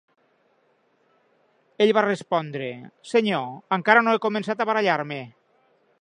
Ell va respondre: Senyor, encara no he començat a barallar-me!